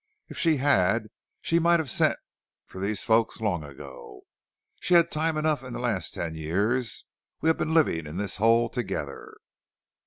If she had she might have sent for these folks long ago. She had time enough in the last ten years we have been living in this hole together."